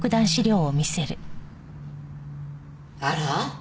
あら？